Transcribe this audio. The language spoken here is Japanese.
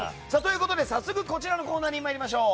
早速、こちらのコーナーに参りましょう。